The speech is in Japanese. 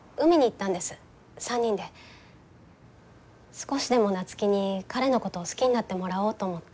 少しでも夏樹に彼のことを好きになってもらおうと思って。